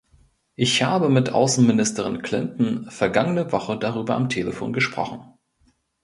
Ich habe mit Außenministerin Clinton vergangene Woche darüber am Telefon gesprochen.